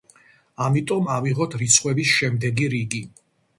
ამიტომ, ავიღოთ რიცხვების შემდეგი რიგი.